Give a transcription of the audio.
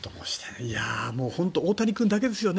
本当に大谷君だけですよね。